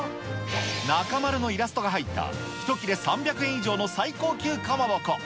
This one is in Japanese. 中丸のイラストが入った１切れ３００円以上の最高級かまぼこ。